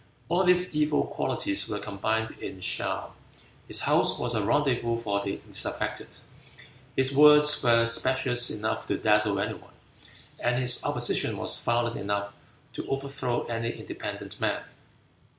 All these evil qualities were combined in Shaou. His house was a rendezvous for the disaffected; his words were specious enough to dazzle any one; and his opposition was violent enough to overthrow any independent man."